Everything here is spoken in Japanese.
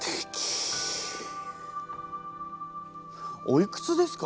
おいくつですか？